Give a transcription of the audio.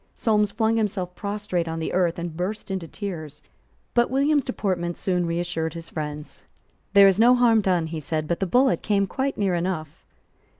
Solmes flung himself prostrate on the earth, and burst into tears. But William's deportment soon reassured his friends. "There is no harm done," he said: "but the bullet came quite near enough."